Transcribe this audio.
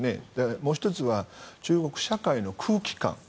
もう１つは中国社会の空気感。